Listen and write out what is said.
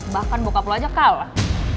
bahkan bokap lo aja kalah